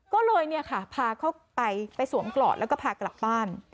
ก็เลยพาเข้ากลอดไปสวมกลอดแล้วก็พากลับบ้าน